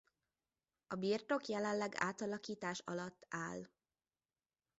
A birtok jelenleg átalakítás alatt áll.